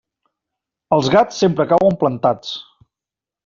Els gats sempre cauen plantats.